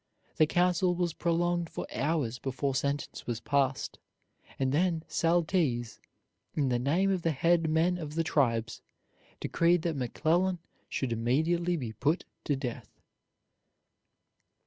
The council was prolonged for hours before sentence was passed, and then Saltese, in the name of the head men of the tribes, decreed that McClellan should immediately be put to death.